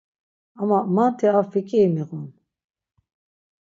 Ama manti ar fiǩiri miğun.